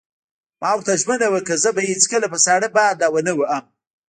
ما ورته ژمنه وکړه: زه به یې هېڅکله په ساړه باد لا ونه وهم.